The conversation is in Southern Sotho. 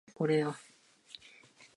Ho kgahlanong le moetlo wa rona!